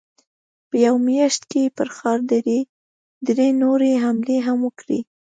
په يوه مياشت کې يې پر ښار درې نورې حملې هم وکړې.